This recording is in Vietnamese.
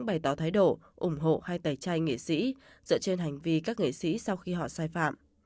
bày tỏ thái độ ủng hộ hai tẩy chay nghệ sĩ dựa trên hành vi các nghệ sĩ sau khi họ sai phạm